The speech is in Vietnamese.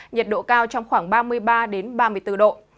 nhiệt độ cao trong khoảng ba mươi ba ba mươi bốn độ